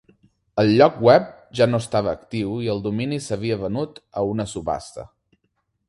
El lloc web ja no estava actiu i el domini s'havia venut a una subhasta.